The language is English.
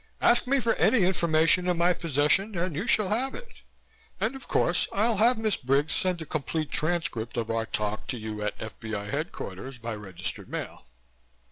"Ask me for any information in my possession and you shall have it. And of course I'll have Miss Briggs send a complete transcript of our talk to you at F.B.I. headquarters by registered mail.